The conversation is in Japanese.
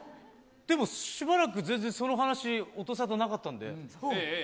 でもしばらく、全然、その話、音沙汰なかったんで。